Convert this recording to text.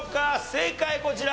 正解こちら。